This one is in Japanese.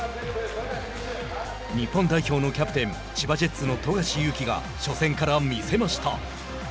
日本代表のキャプテン千葉ジェッツの富樫勇樹が初戦から見せました。